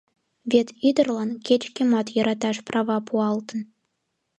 Вет ӱдырлан кеч-кӧмат йӧраташ права пуалтын.